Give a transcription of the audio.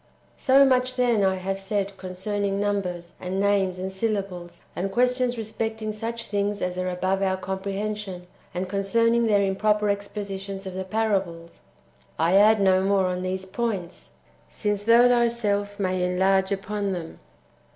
So much, then, I have said concerning numbers, and names, and syllables, and questions respecting such things as are above our com prehension, and concerning their improper expositions of the parables : [I add no more on these points,] since thou thyself mayest enlarge upon them.